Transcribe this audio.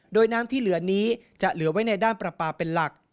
โดยน้ำที่เหลือนี้จะเหลือไว้ในด้านประปาเป็นหลัก